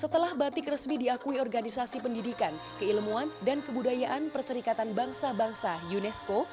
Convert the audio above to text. setelah batik resmi diakui organisasi pendidikan keilmuan dan kebudayaan perserikatan bangsa bangsa unesco